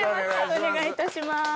お願いいたします。